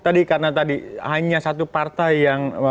tadi karena tadi hanya satu partai yang